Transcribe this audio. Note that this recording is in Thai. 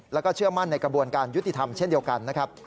แล้วก็เชื่อมั่นในกระบวนการยุติธรรมเช่นเดียวกันนะครับ